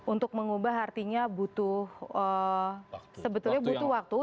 untuk mengubah artinya butuh waktu